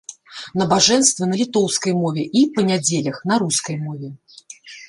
Набажэнствы на літоўскай мове і, па нядзелях, на рускай мове.